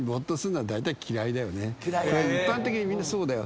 一般的にみんなそうだよ。